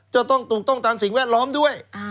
จะต้องถูกต้องตามสิ่งแวดล้อมด้วย